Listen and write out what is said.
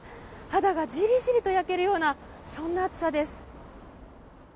肌がじりじりと焼けるような暑さです。